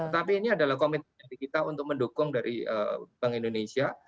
tapi ini adalah komitmen dari kita untuk mendukung dari bank indonesia